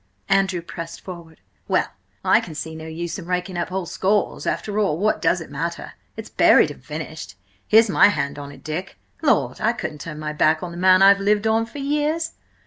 Andrew pressed forward. "Well, I can see no use in raking up old scores! After all, what does it matter? It's buried and finished. Here's my hand on it, Dick! Lord! I couldn't turn my back on the man I've lived on for years!"